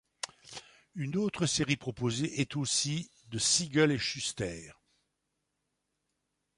Une autre série proposée est ' aussi de Siegel et Shuster.